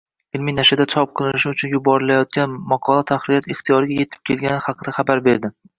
ilmiy nashrida chop qilinishi uchun yuborilayotgan maqola tahririyat ixtiyoriga yetib kelgani haqida xabar berdi.